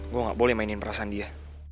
gue gak boleh mainin perasaan dia